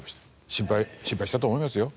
心配心配したと思いますよ。